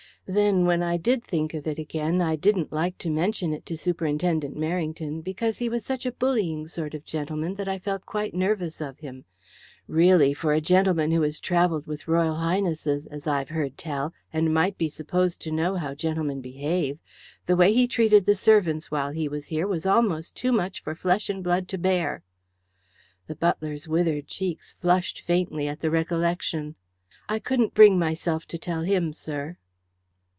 Then, when I did think of it again, I didn't like to mention it to Superintendent Merrington, because he was such a bullying sort of gentleman that I felt quite nervous of him. Really, for a gentleman who has travelled with Royal Highnesses, as I've heard tell, and might be supposed to know how gentlemen behave, the way he treated the servants while he was here was almost too much for flesh and blood to bear." The butler's withered cheeks flushed faintly at the recollection. "I couldn't bring myself to tell him, sir."